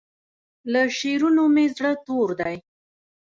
له شعرونو مې زړه تور دی